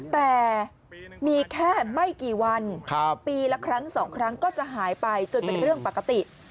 แต่มีแค่ไม่กี่วันปีละครั้ง๒ครั้งก็จะหายไปจนเป็นเรื่องปกติ